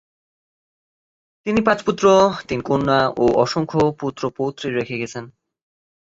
তিনি পাঁচ পুত্র, তিন কন্যা ও অসংখ্য পৌত্র-পুত্রী রেখে গেছেন।